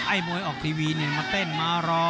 มวยออกทีวีเนี่ยมาเต้นมารอ